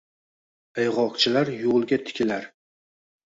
Аygʼoqchilar yoʼlga tikilar